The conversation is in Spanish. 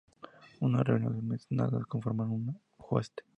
Una reunión de mesnadas conformaban una hueste.